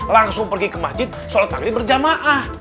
langsung pergi ke masjid sholat bareng bareng berjamaah